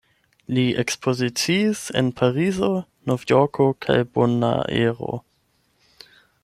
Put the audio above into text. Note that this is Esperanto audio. Li ekspoziciis en Parizo, Novjorko kaj Bonaero.